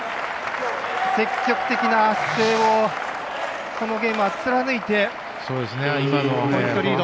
積極的な姿勢をこのゲームは貫いてポイントリード。